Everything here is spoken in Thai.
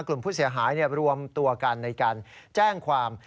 กลุ่มผู้เสียหายรวมตัวกันในการแจ้งความ